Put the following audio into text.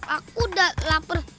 aku udah lapar